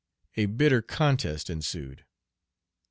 A bitter contest ensued.